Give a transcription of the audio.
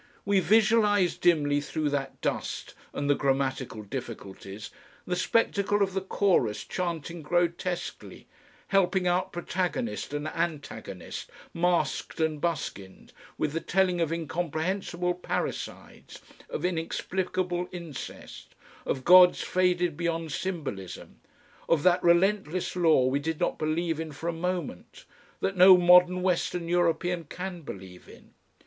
We visualised dimly through that dust and the grammatical difficulties, the spectacle of the chorus chanting grotesquely, helping out protagonist and antagonist, masked and buskined, with the telling of incomprehensible parricides, of inexplicable incest, of gods faded beyond symbolism, of that Relentless Law we did not believe in for a moment, that no modern western European can believe in.